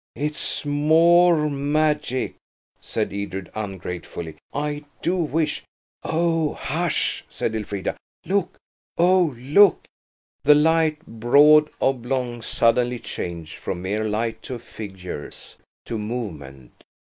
"It's more magic," said Edred ungratefully. "I do wish–" "Oh, hush!" said Elfrida; "look–oh, look!" The light–broad, oblong–suddenly changed from mere light to figures, to movement.